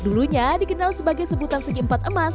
dulunya dikenal sebagai sebutan segi empat emas